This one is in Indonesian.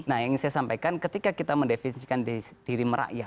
nah yang saya sampaikan ketika kita mendefinisikan diri merakyat